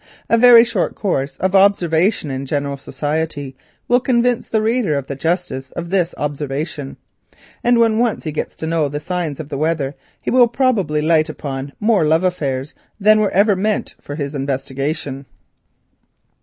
A very short course of observation in general society will convince the reader of the justice of this observation, and when once he gets to know the signs of the weather he will probably light upon more affairs of the heart than were ever meant for his investigation.